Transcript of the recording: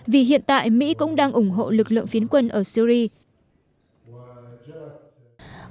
vì hiện tại mỹ cũng đang ủng hộ lực lượng phiến quân ở syri